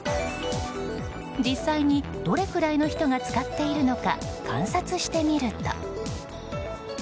実際にどれくらいの人が使っているのか観察してみると。